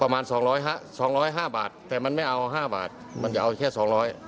ประมาณสองร้อยห้าสองร้อยห้าบาทแต่มันไม่เอาห้าบาทมันจะเอาแค่สองร้อย